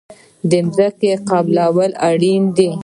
د ځمکې قلبه کول اړین دي.